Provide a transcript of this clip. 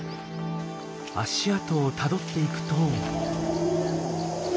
足跡をたどっていくと。